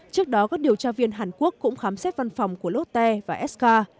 trước đó các điều tra viên hàn quốc cũng khám xét văn phòng của lotte và sk